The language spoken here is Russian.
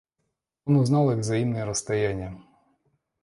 Он узнал их взаимные расстояния.